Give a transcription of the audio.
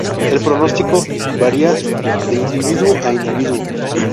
El pronóstico varía de individuo a individuo.